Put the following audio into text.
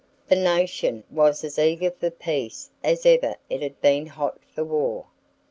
The nation was as eager for peace as ever it had been hot for war.